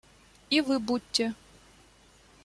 И вы будьте.